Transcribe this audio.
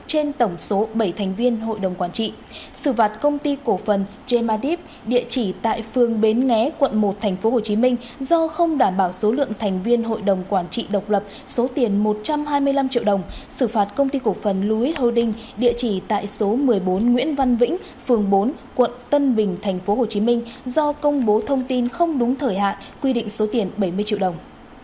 trên tổng số bảy thành viên hội đồng quản trị xử phạt công ty cổ phần gemadep địa chỉ tại phường bến nghé quận một tp hcm do không đảm bảo số lượng thành viên hội đồng quản trị độc lập số tiền một trăm hai mươi năm triệu đồng xử phạt công ty cổ phần louis holding địa chỉ tại số một mươi bốn nguyễn văn vĩnh phường bốn quận tân bình tp hcm do công bố thông tin không đúng thời hạn quy định số tiền bảy mươi triệu đồng